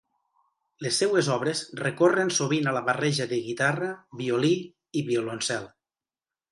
Les seues obres recorren sovint a la barreja de guitarra, violí i violoncel.